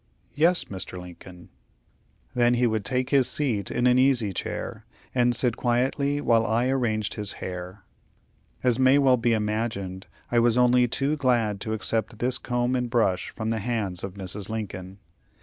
"Yes, Mr. Lincoln." Then he would take his seat in an easy chair, and sit quietly while I arranged his hair. As may well be imagined, I was only too glad to accept this comb and brush from the hands of Mrs. Lincoln.